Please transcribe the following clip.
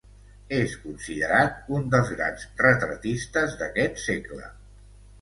És considerat un dels grans retratistes d'aquest segle.